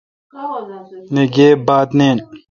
نہ گیب بات نین۔